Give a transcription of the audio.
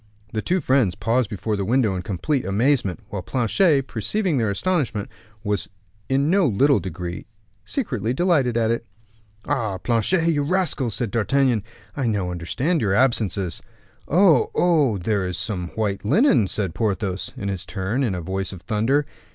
The two friends paused before the window in complete amazement, while Planchet, perceiving their astonishment, was in no little degree secretly delighted at it. "Ah! Planchet, you rascal," said D'Artagnan, "I now understand your absences." "Oh, oh! there is some white linen!" said Porthos, in his turn, in a voice of thunder.